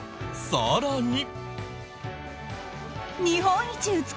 更に。